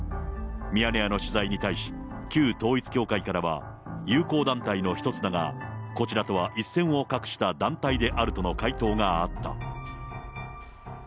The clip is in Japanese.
ミヤネ屋の取材に対し、旧統一教会からは、友好団体の一つだが、こちらとは一線を画した団体であるとの回答があった。